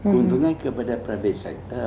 keuntungan kepada private sector